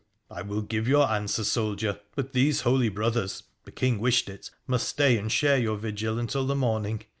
' I will give your answer, soldier ; but these holy brothers — the King wished it — must stay and share your vigil until the morning.